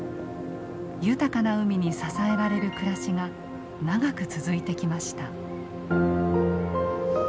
豊かな海に支えられる暮らしが長く続いてきました。